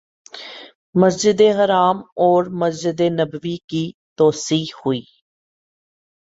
مسجد حرام اور مسجد نبوی کی توسیع ہوئی